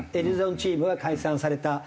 リエゾンチームは解散された。